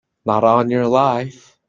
Not on your life!